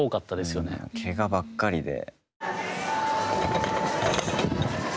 けがばっかりで。